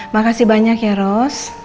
makasih banyak ya ros